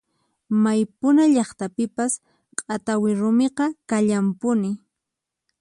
May puna llaqtapipas q'atawi rumiqa kallanpuni.